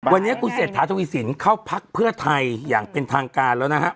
วันนี้คุณเศรษฐาทวีสินเข้าพักเพื่อไทยอย่างเป็นทางการแล้วนะฮะ